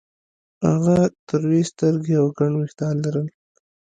هغه تروې سترګې او ګڼ وېښتان لرل